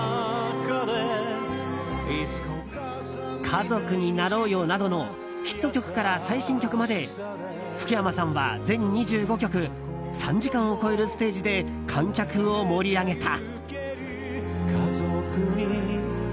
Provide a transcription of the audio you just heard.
「家族になろうよ」などのヒット曲から最新曲まで福山さんは、全２５曲３時間を超えるステージで観客を盛り上げた。